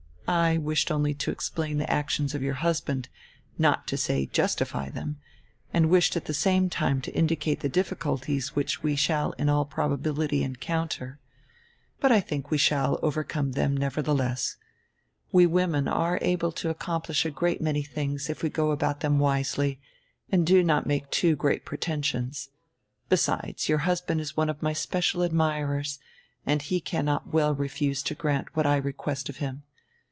I wished only to explain the actions of your husband, not to say justify them, and wished at the same time to indicate the difficulties we shall in all probability encounter. But I think we shall overcome them neverthe less. We women are able to accomplish a great many tilings if we go about them wisely and do not make too great pretensions. Besides, your husband is one of my special admirers and he cannot well refuse to grant what I request of him.